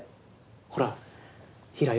ほら平良